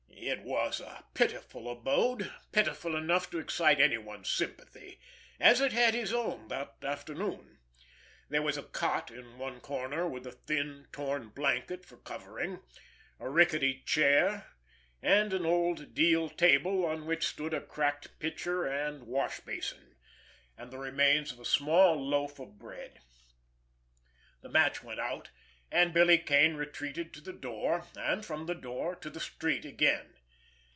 It was a pitiful abode, pitiful enough to excite anyone's sympathy—as it had his own that afternoon. There was a cot in one corner with a thin, torn blanket for covering, a rickety chair, and an old deal table on which stood a cracked pitcher and wash basin, and the remains of a small loaf of bread. The match went out, and Billy Kane retreated to the door, and from the door, to the street again.